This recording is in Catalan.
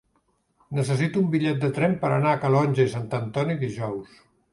Necessito un bitllet de tren per anar a Calonge i Sant Antoni dijous.